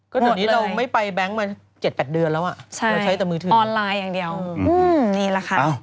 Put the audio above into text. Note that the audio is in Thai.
เดี๋ยวนี้เราไม่ไปแบงค์มา๗๘เดือนแล้วเราใช้แต่มือถือออนไลน์อย่างเดียวนี่แหละค่ะ